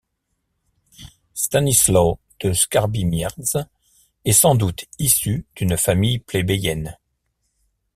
Stanisław de Skarbimierz est sans doute issu d’une famille plébéienne.